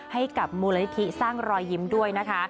ให้กับมูลนิธิสร้างรอยยิ้มด้วยนะคะ